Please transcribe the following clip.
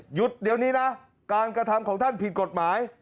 หยุดเดี๋ยวนี้นะการกระทำของท่านผิดกฎหมาย